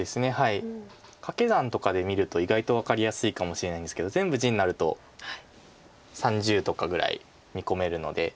掛け算とかで見ると意外と分かりやすいかもしれないんですけど全部地になると３０とかぐらい見込めるので。